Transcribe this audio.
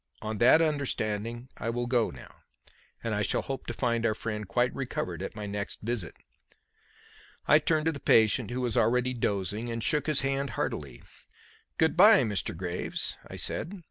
"On that understanding I will go now; and I shall hope to find our friend quite recovered at my next visit." I turned to the patient, who was already dozing, and shook his hand heartily. "Good bye, Mr. Graves!" I said.